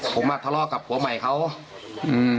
ผมอ่ะทะเลาะกับผัวใหม่เขาอืม